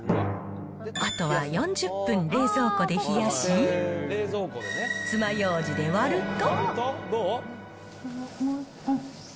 あとは４０分冷蔵庫で冷やし、つまようじで割ると。